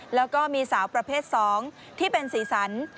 แล้วก็มีสาวประเภท๒ที่เป็นสีสัน